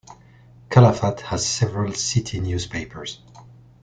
Calafat has several city newspapers.